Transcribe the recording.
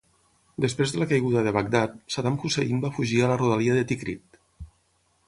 Després de la caiguda de Bagdad, Saddam Hussein va fugir a la rodalia de Tikrit.